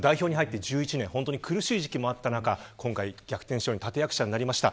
代表に入って１１年、苦しい時期もあった中、今回逆転勝利の立役者になりました。